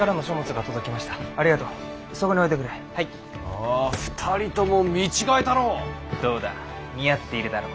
おぉ２人とも見違えたのう。